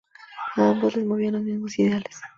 A ambos les movían los mismos ideales.